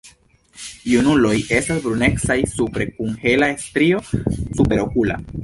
Junuloj estas brunecaj supre kun hela strio superokula.